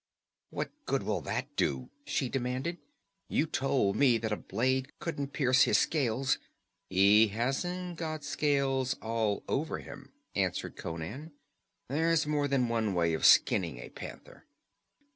"What good will that do?" she demanded. "You told me that a blade couldn't pierce his scales " "He hasn't got scales all over him," answered Conan. "There's more than one way of skinning a panther."